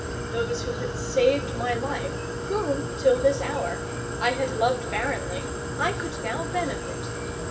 Those who had saved my life, whom, till this hour, I had loved barrenly, I could now benefit.